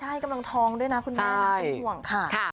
ใช่กำลังท้องด้วยนะคุณแม่เป็นห่วงค่ะ